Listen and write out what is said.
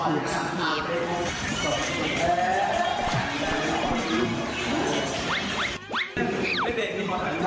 อันนี้ต้องมา